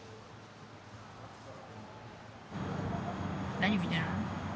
何見てるの？